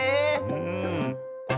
うん。